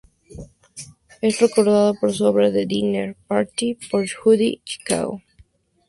Es recordada en la obra "The Dinner Party," por Judy Chicago.